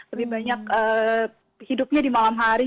lebih banyak hidupnya di malam hari